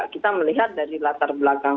kita melihat dari latar belakang